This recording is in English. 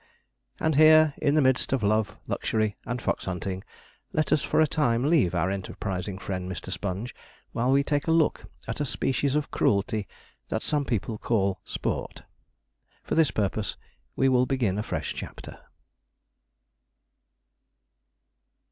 And here, in the midst of love, luxury, and fox hunting, let us for a time leave our enterprising friend, Mr. Sponge, while we take a look at a species of cruelty that some people call 'sport.' For this purpose we will begin a fresh chapter.